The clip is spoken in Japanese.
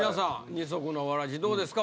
二足のわらじどうですか？